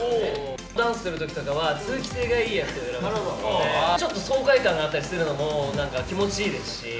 ダンスするときとかは通気性ちょっと爽快感があったりするのも、なんか気持ちいいですし。